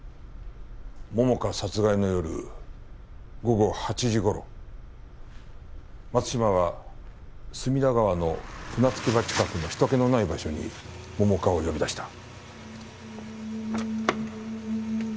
桃花殺害の夜午後８時頃松島は隅田川の船着場近くの人気のない場所に桃花を呼び出した。